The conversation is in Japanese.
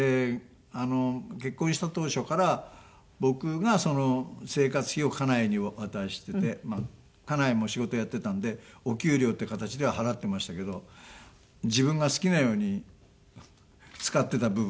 結婚した当初から僕が生活費を家内に渡してて家内も仕事やってたんでお給料っていう形では払ってましたけど自分が好きなように使ってた部分があって。